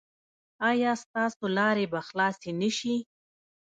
ایا ستاسو لارې به خلاصې نه شي؟